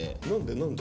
何で？